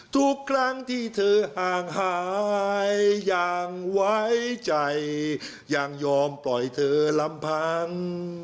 ทุกครั้งที่เธอห่างหายอย่างไว้ใจยังยอมปล่อยเธอลำพัง